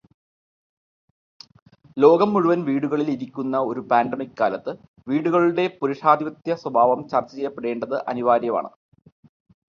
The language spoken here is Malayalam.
ലോകം മുഴുവൻ വീടുകളിൽ ഇരിക്കുന്ന ഒരു പാൻഡെമിൿ കാലത്ത് വീടുകളുടെ പുരുഷാധിപത്യസ്വഭാവം ചർച്ച ചെയ്യപ്പെടേണ്ടത് അനിവാര്യമാണ്.